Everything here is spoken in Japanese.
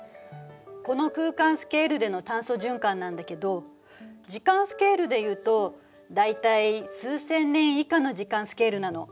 この空間スケールでの炭素循環なんだけど時間スケールで言うと大体数千年以下の時間スケールなの。